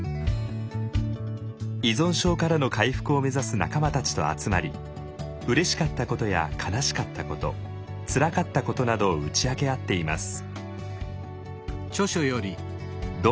依存症からの回復を目指す仲間たちと集まりうれしかったことや悲しかったことつらかったことなどを打ち明け合っています。